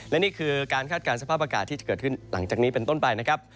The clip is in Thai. และนี่คือการคาดการณ์สภาพอากาศที่จะเกิดขึ้นหลังจากนี้เป็นต้นไปนะครับ